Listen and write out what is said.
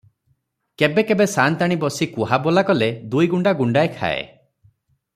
କେବେ କେବେ ସାଆନ୍ତାଣୀ ବସି କୁହାବୋଲା କଲେ ଦୁଇଗୁଣ୍ତା ଗୁଣ୍ତାଏ ଖାଏ ।